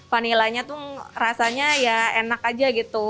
vanilanya tuh rasanya ya enak aja gitu